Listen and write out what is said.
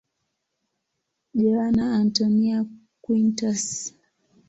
Joana Antónia Quintas.